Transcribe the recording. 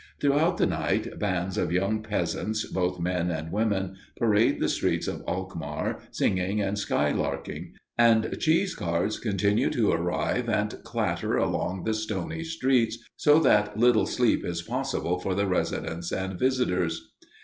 Throughout the night bands of young peasants, both men and women, parade the streets of Alkmaar, singing and skylarking; and cheese carts continue to arrive and clatter along the stony streets, so that little sleep is possible for the residents and visitors.